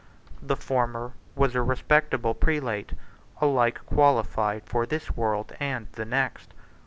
The former was a respectable prelate, alike qualified for this world and the next.